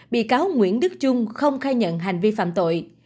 bị cáo nguyễn đức trung không khai nhận hành vi phạm tội